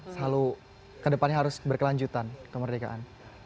selalu kedepannya harus berkelanjutan kemerdekaan